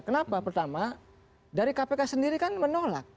kenapa pertama dari kpk sendiri kan menolak